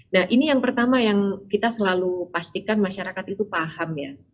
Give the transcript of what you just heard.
nah ini yang pertama yang kita selalu pastikan masyarakat itu paham ya